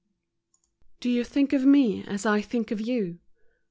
TYO you think of me as I think of you